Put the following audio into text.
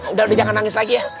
udah udah jangan nangis lagi ya